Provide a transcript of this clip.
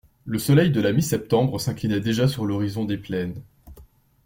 Le soleil de la mi-septembre s'inclinait déjà sur l'horizon des plaines.